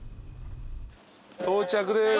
到着です。